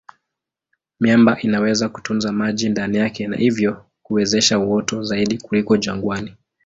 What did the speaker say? Miamba inaweza kutunza maji ndani yake na hivyo kuwezesha uoto zaidi kuliko jangwani.